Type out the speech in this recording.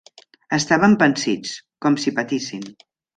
Estaven pansits, com si patissin.